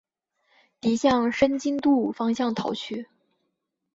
敌向申津渡方向逃去。